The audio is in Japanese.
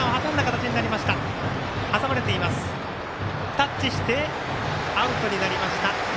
タッチして、アウトになりました。